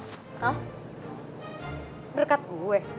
hah berkat gue